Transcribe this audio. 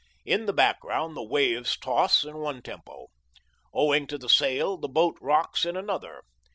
In the background the waves toss in one tempo. Owing to the sail, the boat rocks in another.